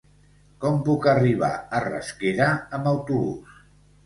Com puc arribar a Rasquera amb autobús?